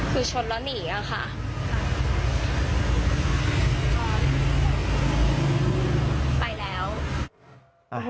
คือชนแล้วหนีอะค่ะ